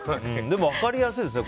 でも、分かりやすいですね